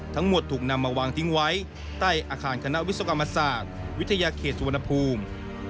ถูกนำมาวางทิ้งไว้ใต้อาคารคณะวิศวกรรมศาสตร์วิทยาเขตสุวรรณภูมิ